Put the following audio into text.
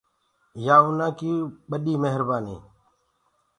يآ اُنآ ڪي وڏي مهرنآنيٚ۔